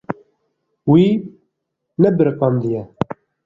Wî nebiriqandiye.